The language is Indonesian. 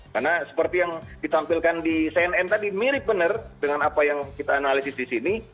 karena seperti yang ditampilkan di cnn tadi mirip benar dengan apa yang kita analisis di sini